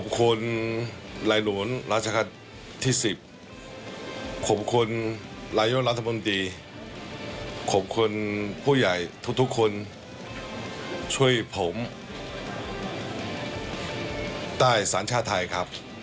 ขอบคุณผู้ใหญ่ทุกคนช่วยผมได้ศาลชาติไทยครับ